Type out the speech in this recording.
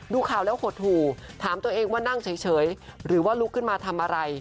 ดูข่าวแล้วหดหู่ถามตัวเองว่านั่งเฉยหรือว่าลุกขึ้นมาทำอะไร